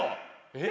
えっ？